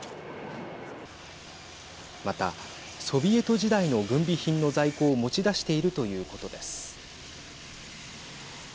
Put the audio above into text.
またソビエト時代の軍備品の在庫を持ち出しているということです。